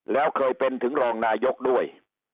แล้วเคยเป็นถึงรองนายกด้วย